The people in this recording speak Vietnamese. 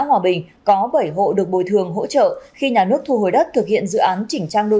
hòa bình có bảy hộ được bồi thường hỗ trợ khi nhà nước thu hồi đất thực hiện dự án chỉnh trang đô